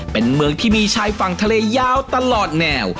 เป็นเมืองที่มีชายฝั่งทะเลยาวตลอดแนว